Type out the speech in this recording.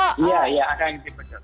iya ada yang dipercepat